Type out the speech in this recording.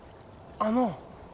・あの！